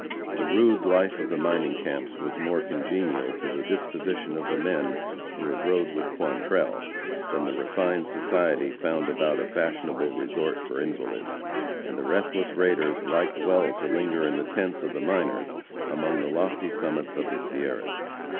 The rude life of the mining camps was more congenial to the disposition of the men who had rode with Quantrell than the refined society found about a fashionable resort for invalids; and the restless raiders liked well to linger in the tents of the miners among the lofty summits of the Sierras.